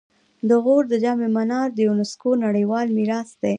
د غور د جام منار د یونسکو نړیوال میراث دی